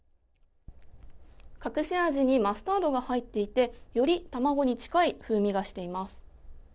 隠し味にマスタードが入っていてより卵に近い風味がしています。